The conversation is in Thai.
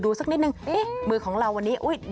แดงแล้ว